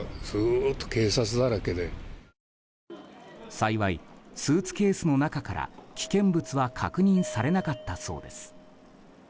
幸い、スーツケースの中から危険物は確認されなかったそうです。